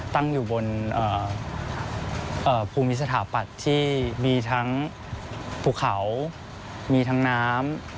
ตั้งอยู่บนภูมิสถาปัตย์ที่มีทั้งภูเขามีทั้งน้ำ